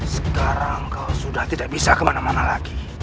sekarang sudah tidak bisa kemana mana lagi